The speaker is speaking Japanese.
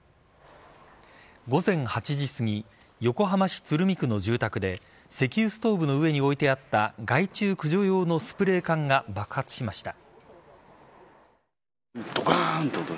午前８時すぎ横浜市鶴見区の住宅で石油ストーブの上に置いてあった害虫駆除用のスプレー缶が爆発しました。